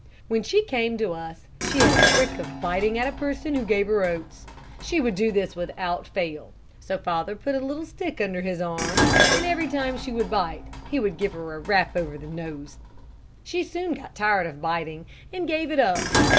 When she came to us, she had a trick of biting at a person who gave her oats. She would do it without fail, so father put a little stick under his arm, and every time she would bite, he would give her a rap over the nose. She soon got tired of biting, and gave it up.